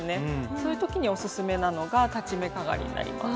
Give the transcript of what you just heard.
そういう時にオススメなのが裁ち目かがりになります。